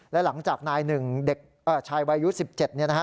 และหลังจากนายหนึ่งชายวัย๑๗เนี่ยนะครับ